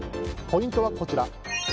ポイントはこちら。